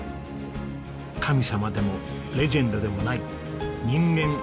神様でもレジェンドでもない人間上野由岐子。